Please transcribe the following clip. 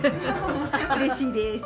うれしいです。